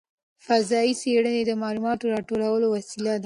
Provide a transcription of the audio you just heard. فضايي څېړنه د معلوماتو راټولولو وسیله ده.